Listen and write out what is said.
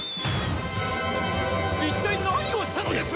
一体何をしたのです？